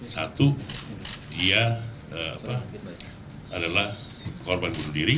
satu dia adalah korban bunuh diri